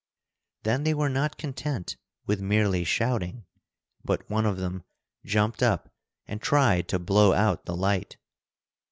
Then they were not content with merely shouting, but one of them jumped up and tried to blow out the light.